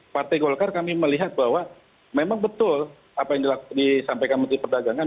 partai golkar kami melihat bahwa memang betul apa yang disampaikan menteri perdagangan